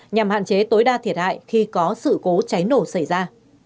nhằm hạn chế tối đa thiệt hại khi có sự cố cháy nổ xảy ra